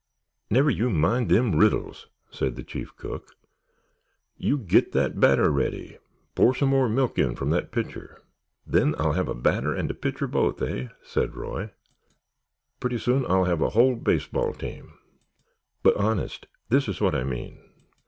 "Never you mind them riddles," said the chief cook. "You git that batter ready—pour some more milk in from that pitcher." "Then I'll have a batter and a pitcher both, hey?" said Roy. "Pretty soon I'll have a whole baseball team. But honest, this is what I mean.